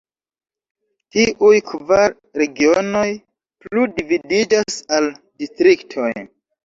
Tiuj kvar regionoj plu dividiĝas al distriktoj.